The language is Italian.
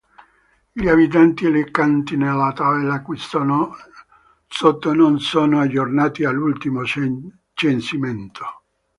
Gli abitanti elencati nella tabella qui sotto non sono aggiornati all'ultimo censimento.